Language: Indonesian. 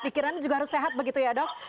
pikiran juga harus sehat begitu ya dok